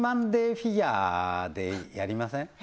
フィギュアでやりません？